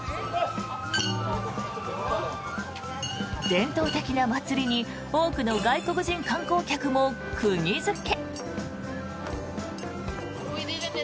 伝統的な祭りに多くの外国人観光客も釘付け。